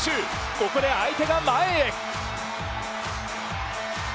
ここで、相手が前へ。